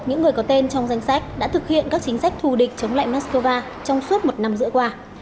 những người có tên trong danh sách đã thực hiện các chính sách thù địch chống lại moscow trong suốt một năm giữa qua